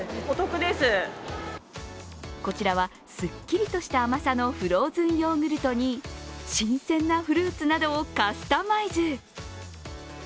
こちらは、すっきりとした甘さのフローズンヨーグルトに、新鮮なフルーツなどをカスタマイズ。